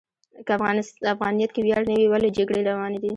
که افغانیت کې ویاړ نه و، ولې جګړې روانې دي؟